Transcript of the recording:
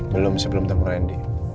belum sih belum ketemu randy